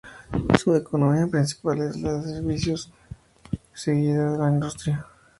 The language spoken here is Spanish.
Su economía principal es la de servicios, seguida de la industria.